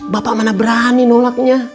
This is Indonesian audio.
bapak mana berani nolaknya